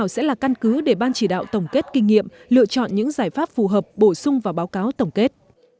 bán cứ để ban chỉ đạo tổng kết kinh nghiệm lựa chọn những giải pháp phù hợp bổ sung vào báo cáo tổng kết